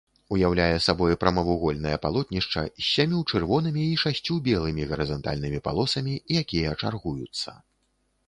Уяўляе сабой прамавугольнае палотнішча з сямю чырвонымі і шасцю белымі гарызантальнымі палосамі, якія чаргуюцца.